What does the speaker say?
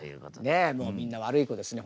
ねえもうみんな悪い子ですね